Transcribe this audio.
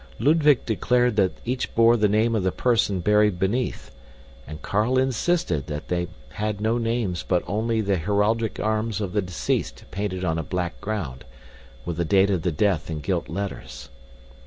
Ludwig declared that each bore the name of the person buried beneath, and Carl insisted that they had no names but only the heraldic arms of the deceased painted on a black ground, with the date of the death in gilt letters.